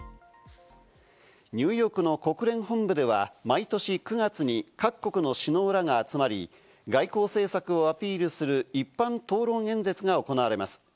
ニューヨークの国連本部では、毎年９月に各国の首脳らが集まり、外交政策をアピールする一般討論演説が行われます。